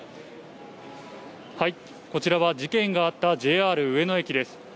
こちらは事件があったＪＲ上野駅です。